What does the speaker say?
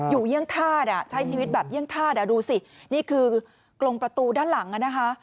อยู่เยี่ยงทาดอ่ะใช้ชีวิตแบบเยี่ยงทาดอ่ะดูสินี่คือกลงประตูด้านหลังอ่ะนะคะ